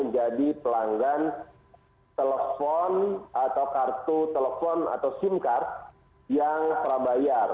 pelanggan telepon atau kartu telepon atau sim card yang prabayar